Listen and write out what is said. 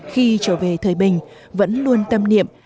khi trở về thời bình vẫn luôn tâm niệm